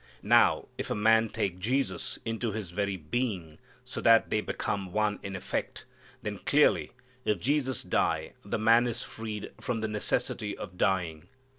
Now if a man take Jesus into his very being so that they become one in effect, then clearly if Jesus die the man is freed from the necessity of dying.